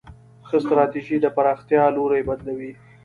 ښه ستراتیژي د پراختیا لوری بدلوي.